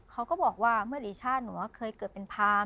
เขาก็บอกว่าเมื่อหลีชาติหนูเคยเกิดเป็นพาร์